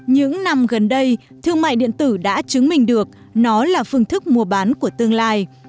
những năm gần đây thương mại điện tử đã chứng minh được nó là phương thức mua bán của tương lai